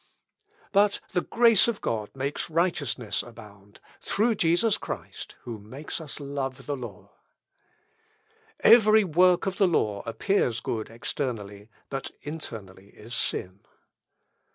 "But the grace of God makes righteousness abound, through Jesus Christ, who makes us love the law. "Every work of the law appears good externally, but internally is sin.